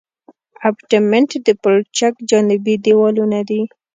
ابټمنټ د پلچک جانبي دیوالونه دي